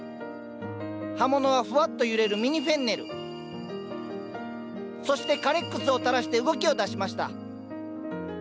葉物はふわっと揺れるミニフェンネルそしてカレックスを垂らして動きを出しました。